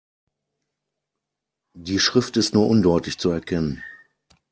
Die Schrift ist nur undeutlich zu erkennen.